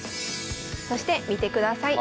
そして見てください。